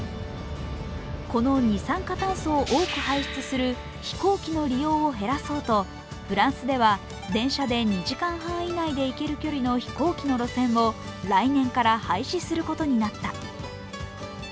この二酸化炭素を多く排出する飛行機の利用を減らそうとフランスでは電車で２時間半以内で行ける飛行機の路線を来年から廃止することになった。